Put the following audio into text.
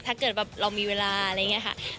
ถ้าเกิดแบบเรามีเวลาอะไรอย่างนี้ค่ะ